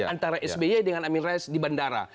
antara sby dengan amin rais di bandara